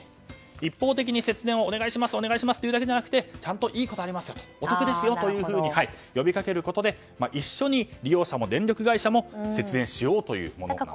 一方的に節電をお願いしますというだけではなくてちゃんといいことがありますよお得ですよと呼びかけることで一緒に利用者も電力会社も節電しようというものなんです。